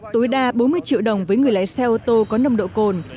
tối đa bốn mươi triệu đồng với người lái xe ô tô có nồng độ cồn